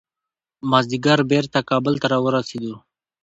مازدیګر بیرته کابل ته راورسېدو.